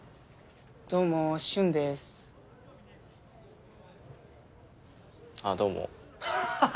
どうも瞬ですあっどうもハハッ